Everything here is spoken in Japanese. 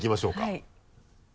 はい。